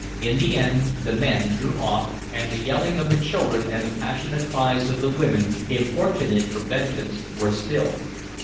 In the end the men drew off, and the yelling of the children and the passionate cries of the women, importunate for vengeance, were stilled.